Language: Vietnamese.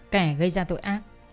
kẻ gây ra tội ác